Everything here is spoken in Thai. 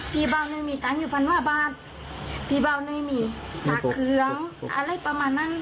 พี่เบาไม่มีตังค์อยู่ฟันว่าบาดพี่เบาไม่มีผักเคืองอะไรประมาณนั้น